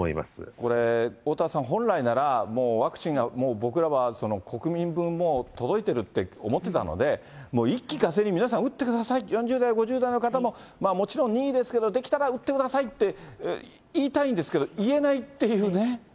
これ、おおたわさん、本来ならもうワクチンがもう僕らは国民分もう届いていると思っていたので、一気呵成に皆さん、打ってください、４０代、５０代の方も、もちろん任意ですけど、できたら打ってくださいって、言いたいんですけれども、言えないっていうね。